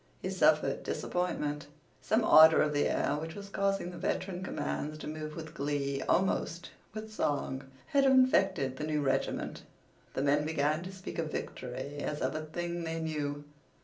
He suffered disappointment. Some ardor of the air which was causing the veteran commands to move with glee—almost with song—had infected the new regiment. The men began to speak of victory as of a thing they knew.